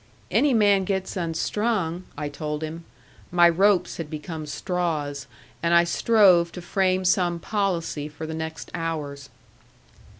"Any man gets unstrung," I told him. My ropes had become straws; and I strove to frame some policy for the next hours.